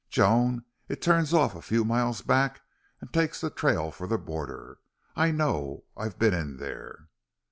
Joan, it turns off a few miles back an' takes the trail for the border. I know. I've been in there."